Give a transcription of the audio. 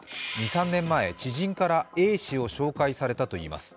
２３年前、知人からＡ氏を紹介されたといいます。